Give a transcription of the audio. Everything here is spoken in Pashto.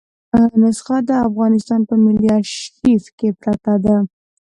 نسخه د افغانستان په ملي آرشیف کې پرته ده.